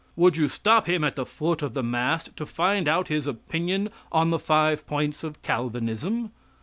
Would you stop him at the foot of the mast to find out his opinion on the five points of Calvinism?